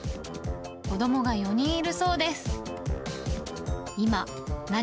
子どもが４人いるそうです。